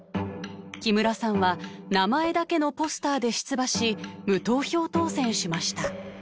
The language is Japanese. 木村さんは名前だけのポスターで出馬し無投票当選しました。